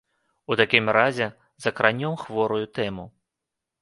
У такім разе закранём хворую тэму.